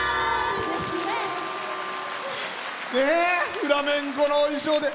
フラメンコのお衣装で。